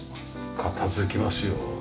片付きますよ。